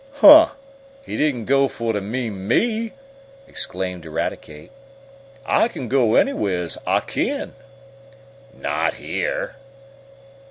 "Huh! He didn't go fo' t' mean me!" exclaimed Eradicate. "I kin go anywheres; I kin!" "Not here!"